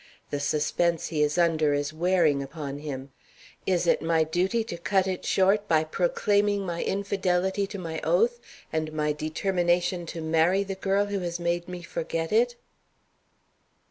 The suspense he is under is wearing upon him. Is it my duty to cut it short by proclaiming my infidelity to my oath and my determination to marry the girl who has made me forget it?